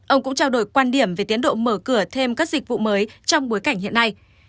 ông cũng trao đổi quan điểm về tiến độ mở cửa thêm các dịch vụ mới trong bối cảnh hiện nay